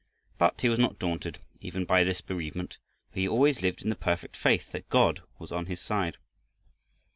But he was not daunted even by this bereavement, for he always lived in the perfect faith that God was on his side.